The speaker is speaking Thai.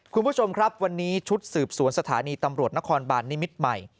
คุณผู้ชมครับวันนี้ชุดสืบสวนสถานีตำรวจนครบานนิมิตรใหม่